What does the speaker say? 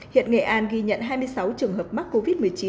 hiện nghệ an ghi nhận hai mươi sáu trường hợp mắc covid một mươi chín